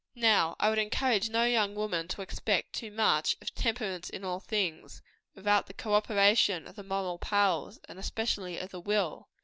Now I would encourage no young woman to expect too much of "temperance in all things," without the co operation of the moral powers, and especially of the will.